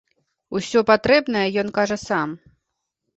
Усё патрэбнае ён кажа сам.